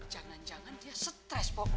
jangan jangan dia stres